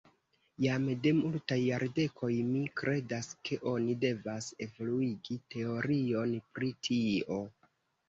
Jam de multaj jardekoj mi kredas ke oni devas evoluigi teorion pri tio.